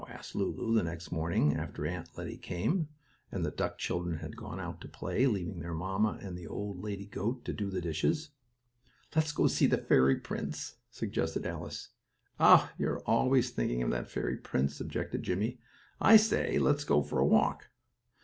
asked Lulu the next morning after Aunt Lettie came, and the duck children had gone out to play, leaving their mamma and the old lady goat to do the dishes. "Let's go see the fairy prince," suggested Alice. "Oh, you're always thinking of that fairy prince," objected Jimmie. "I say let's go for a walk."